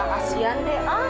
makasian deh aku